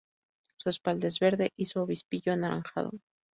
Su espalda es verde y su obispillo anaranjado.